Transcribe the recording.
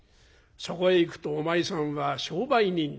そこへいくとお前さんは商売人だ。